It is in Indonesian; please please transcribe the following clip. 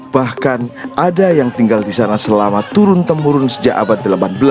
bahkan ada yang tinggal di sana selama turun temurun sejak abad delapan belas